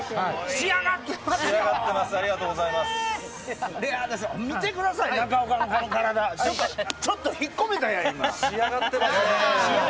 仕上がってますね。